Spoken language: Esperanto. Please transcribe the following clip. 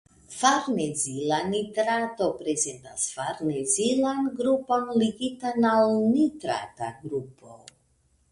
Farnezila nitrato prezentas farnezilan grupon ligitan al nitrata grupo.